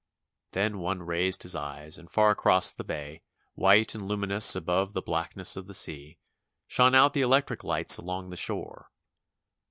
Then one raised his eyes and far across the bay, white and luminous above the blackness of the sea, shone out the electric lights along the shore.